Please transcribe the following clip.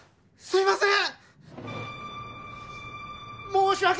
すいません